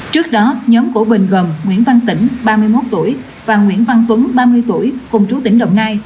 trước đó nhóm của bình gồm nguyễn văn tỉnh ba mươi một tuổi và nguyễn văn tuấn ba mươi tuổi cùng chú tỉnh đồng nai